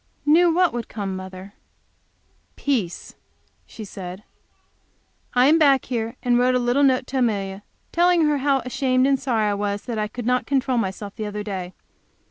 "Knew what would come, mother?" "Peace," she said. I came back here and wrote a little note to Amelia, telling her how ashamed and sorry I was that I could not control myself the other day.